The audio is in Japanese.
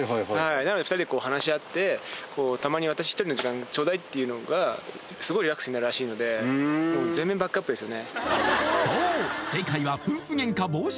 なので２人でこう話し合ってたまに私一人の時間ちょうだいっていうのがすごいリラックスになるらしいのでもう全面バックアップですよね